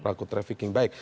pelaku trafficking baik